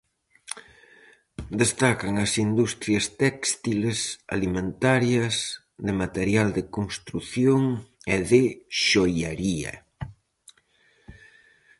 Destacan as industrias téxtiles, alimentarias, de material de construción e de xoiaría.